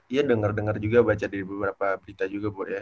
iya dengar dengar juga baca dari beberapa berita juga bu ya